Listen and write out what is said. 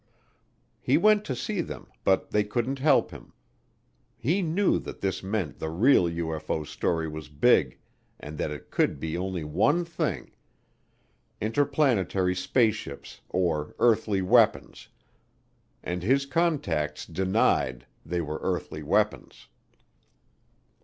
He went to see them but they couldn't help him. He knew that this meant the real UFO story was big and that it could be only one thing interplanetary spaceships or earthly weapons and his contacts denied they were earthly weapons.